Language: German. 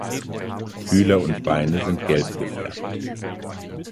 Fühler und Beine sind gelb gefärbt.